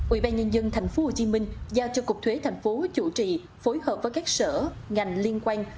ủy ban nhân dân tp hcm giao cho cục thuế tp hcm chủ trì phối hợp với các sở ngành liên quan